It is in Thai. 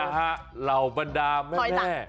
เหล่าบรรดาแม่